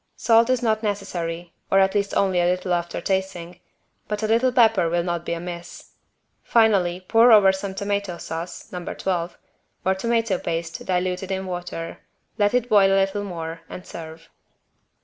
Salt is not necessary, or at least only a little after tasting, but a little pepper will not be amiss. Finally pour over some tomato sauce (No. 12) or tomato paste diluted in water, let it boil a little more and serve.